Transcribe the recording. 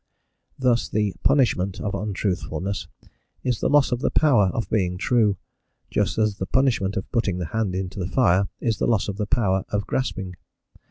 Thus the "punishment" of untruthfulness is the loss of the power of being true, just as the punishment of putting the hand into the fire is the loss of the power of grasping.